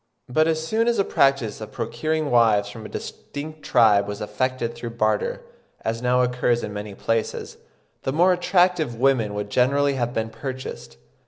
But as soon as the practice of procuring wives from a distinct tribe was effected through barter, as now occurs in many places, the more attractive women would generally have been purchased.